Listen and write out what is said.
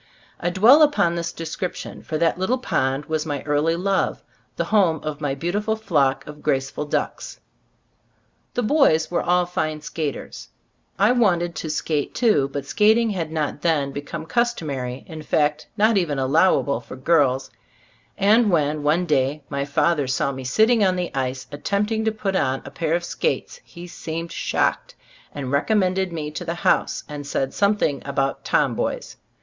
I dwell upon this description, for that little pond was my early love ; the home of my beautiful flock of graceful ducks. The boys were all fine skaters; I wanted to skate, too, but skating had not then become cus tomary, in fact, not even allowable for girls; and when, one day, my father saw me sitting on the ice attempting to put on a pair of skates, he seemed shocked, recommended me to the house, and said something about "tom boys."